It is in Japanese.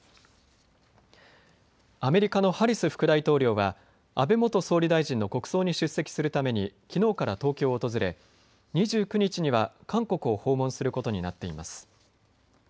アメリカのハリス副大統領は安倍元総理大臣の国葬に出席するために、きのうから東京を訪れ２９日には韓国を訪問することになっています。